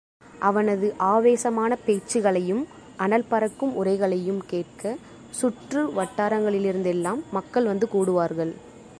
அவனது ஆவேசமான பேச்சுக்களையும், அனல் பறக்கும் உரைகளையும் கேட்க சுற்று வட்டாரங்களிலிருந்தெல்லாம் மக்கள் வந்து கூடுவார்கள்.